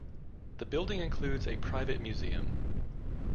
The building includes a private museum.